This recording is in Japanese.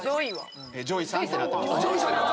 「ＪＯＹさん」ってなってますね。